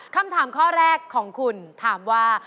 คำถามข้อแรกของคุณถามว่า